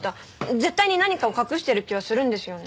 絶対に何かを隠してる気はするんですよね。